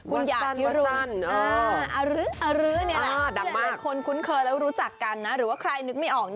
วัสตันอ่าอรึนี่แหละคนคุ้นเคยแล้วรู้จักกันนะหรือว่าใครนึกไม่ออก